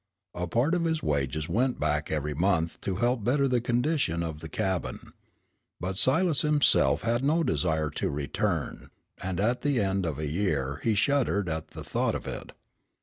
A part of his wages went back every month to help better the condition of the cabin. But Silas himself had no desire to return, and at the end of a year he shuddered at the thought of it.